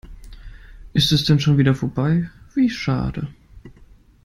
Ist es denn schon wieder vorbei, wie schade.